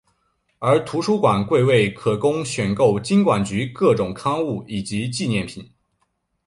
另图书馆柜位可供选购金管局各种刊物及纪念品。